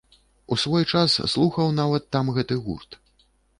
У свой час слухаў нават там гэты гурт.